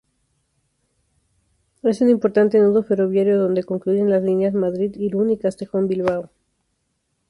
Es un importante nudo ferroviario donde confluyen las líneas Madrid-Irún y Castejón-Bilbao.